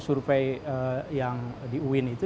survei yang di uin itu